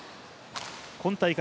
今大会